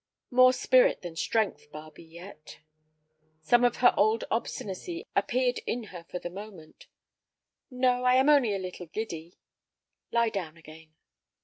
"More spirit than strength, Barbe, yet." Some of her old obstinacy appeared in her for the moment. "No, I am only a little giddy." "Lie down again."